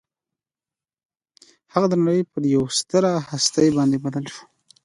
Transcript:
هغه د نړۍ پر یوه ستره هستي باندې بدل شو